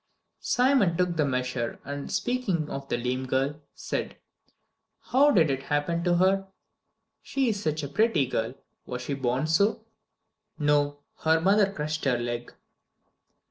Simon took the measure and, speaking of the lame girl, said: "How did it happen to her? She is such a pretty girl. Was she born so?" "No, her mother crushed her leg."